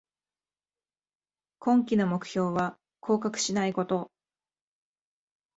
今季の目標は降格しないこと